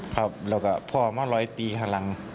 ครับแล้วก็พ่อมาร้อยตีพลัง